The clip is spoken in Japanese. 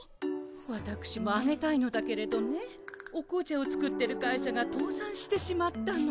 わたくしもあげたいのだけれどねお紅茶を作ってる会社がとうさんしてしまったの。